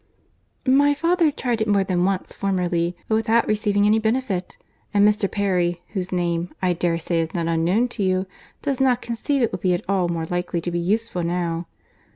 "My father tried it more than once, formerly; but without receiving any benefit; and Mr. Perry, whose name, I dare say, is not unknown to you, does not conceive it would be at all more likely to be useful now."